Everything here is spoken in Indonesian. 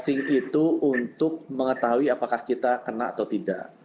asing itu untuk mengetahui apakah kita kena atau tidak